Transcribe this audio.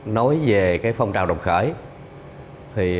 nói về phong trào đồng khởi